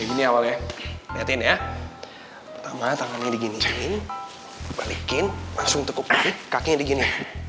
ini awalnya lihatin ya pertama tangannya begini balikin langsung teguk kakinya begini